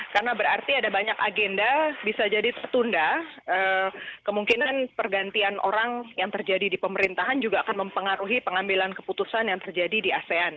karena berarti ada banyak agenda bisa jadi tertunda kemungkinan pergantian orang yang terjadi di pemerintahan juga akan mempengaruhi pengambilan keputusan yang terjadi di asean